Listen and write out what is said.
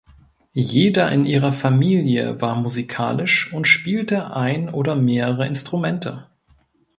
Jeder in ihrer Familie war musikalisch und spielte ein oder mehrere Instrumente.